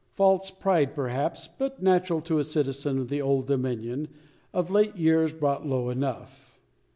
False pride, perhaps, but natural to a citizen of the Old Dominion of late years brought low enough.